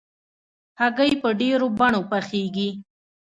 هګۍ په ډېرو بڼو پخېږي.